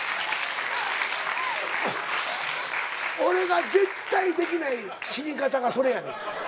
俺が絶対できない死に方がそれやねん。